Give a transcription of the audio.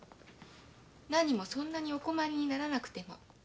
なにもそんなにお困りにならなくても。